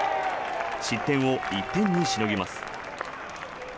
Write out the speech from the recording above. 失点を１点にしのぎます。